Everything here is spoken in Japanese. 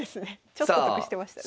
ちょっと得してましたね。